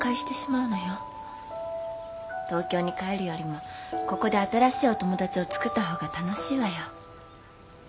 東京に帰るよりもここで新しいお友達をつくった方が楽しいわよ。